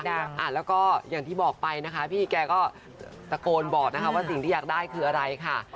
แล้วก็อย่างที่บอกไปนะคะพี่แกก็ตะโกนบอกนะคะว่าสิ่งที่อยากได้คืออะไรค่ะ